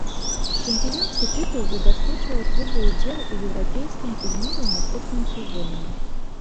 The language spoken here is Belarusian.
Чэмпіёнскі тытул забяспечвае клубу ўдзел у еўрапейскім турніры ў наступным сезоне.